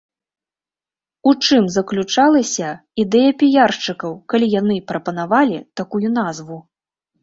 У чым заключалася ідэя піяршчыкаў, калі яны прапанавалі такую назву?